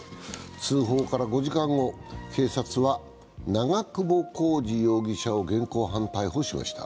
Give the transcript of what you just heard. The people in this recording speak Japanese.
通報から５時間後、警察は長久保浩二容疑者を現行犯逮捕しました。